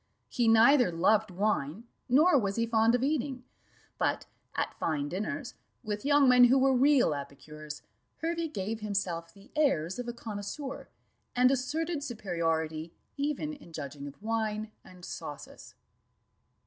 He neither loved wine, nor was he fond of eating; but at fine dinners, with young men who were real epicures, Hervey gave himself the airs of a connoisseur, and asserted superiority even in judging of wine and sauces.